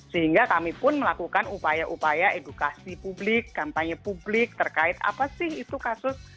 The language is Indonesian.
sehingga kami pun melakukan upaya upaya edukasi publik kampanye publik terkait apa sih itu kasus